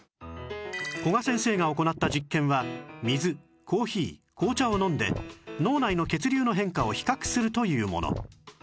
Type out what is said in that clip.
古賀先生が行った実験は水コーヒー紅茶を飲んで脳内の血流の変化を比較するというもの